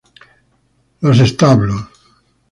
Les Estables